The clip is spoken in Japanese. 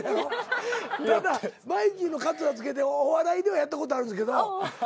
ただマイキーのかつらつけてお笑いではやったことある。